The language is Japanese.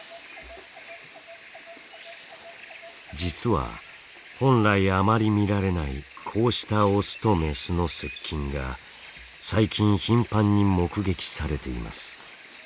実は本来あまり見られないこうしたオスとメスの接近が最近頻繁に目撃されています。